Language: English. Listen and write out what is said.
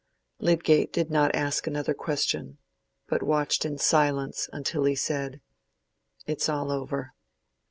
Lydgate did not ask another question, but watched in silence until he said, "It's all over."